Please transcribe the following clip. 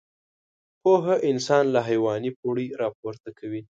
پوهه انسان له حيواني پوړۍ راپورته کوي.